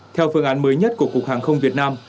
theo phương án mới nhất của cục hàng không việt nam